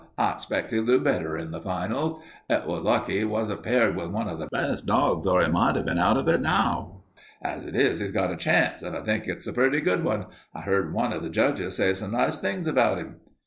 I expect he'll do better in the finals. It was lucky he wa'n't paired with one of the best dogs, or he might have been out of it now. As it is he's got a chance, and I think it's a pretty good one. I heard one of the judges say some nice things about him."